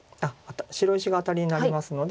白石がアタリになりますので。